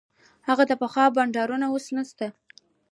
هغه د پخوا بانډارونه اوس نسته.